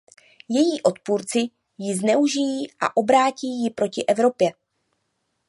Její odpůrci ji zneužijí a obrátí ji proti Evropě.